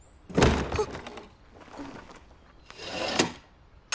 あっ！